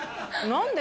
何で？